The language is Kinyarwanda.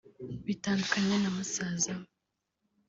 bitandukanye na musaza we